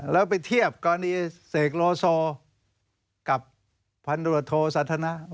แล้วไปเทียบกรณีเสกโลโซกับพันธุรโทสันทนะ